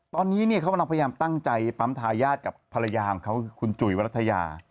ตอนนี้ก็พยายามตั้งใจตามทายาทกับภรรยาของขัวคุณจุ๋ยวัตทายา